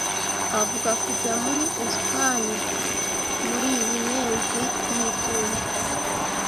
Avuga kujya muri Espagne muriyi mezi y'itumba.